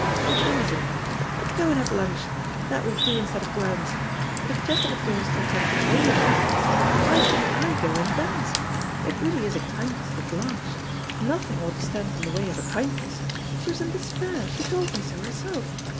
What time is it? Let's go and have lunch. That will do instead of worms. If Chesterford goes to attend to bailiff's business, why shouldn't I go and dance? It really is a kindness to Blanche. Nothing ought to stand in the way of a kindness. She was in despair; she told me so: herself.